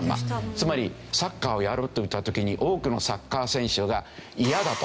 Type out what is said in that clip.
つまりサッカーをやるといった時に多くのサッカー選手が「嫌だ」と。